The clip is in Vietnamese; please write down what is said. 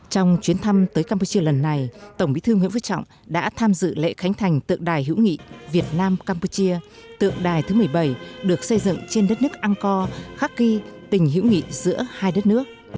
trong chuyến thăm tới campuchia lần này tổng bí thư nguyễn phú trọng đã tham dự lễ khánh thành tượng đài hữu nghị việt nam campuchia tượng đài thứ một mươi bảy được xây dựng trên đất nước an co khắc ghi tình hữu nghị giữa hai đất nước